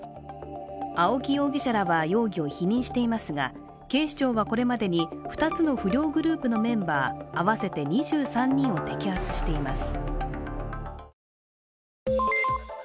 青木容疑者らは容疑を否認していますが、警視庁はこれまでに２つの不良グループのメンバー合わせて２３人を摘発しています。